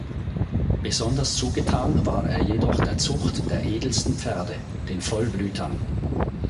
Besonders zugetan war er jedoch der Zucht der edelsten Pferde, den Vollblütern.